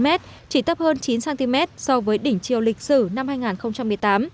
ba một mươi bốn mét chỉ tấp hơn chín cm so với đỉnh chiều lịch sử năm hai nghìn một mươi tám